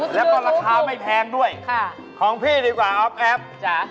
แล้วก็ราคาไม่แพงด้วยค่ะของพี่ดีกว่าครับอ๊อคแอฟ